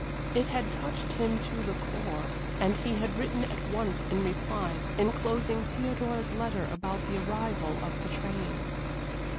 It had touched him to the core, and he had written at once in reply, enclosing Theodora's letter about the arrival of the train.